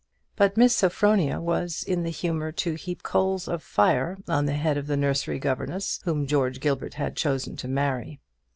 But Miss Sophronia was in the humour to heap coals of fire on the head of the nursery governess whom George Gilbert had chosen to marry.